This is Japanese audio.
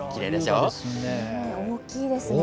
大きいですね。